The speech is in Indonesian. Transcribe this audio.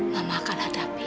mama akan hadapi